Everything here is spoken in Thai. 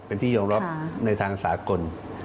เป็นที่ยอมรับในทางสากล